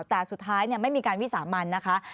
แต่สุดท้ายไม่มีการวิสามันนะคะ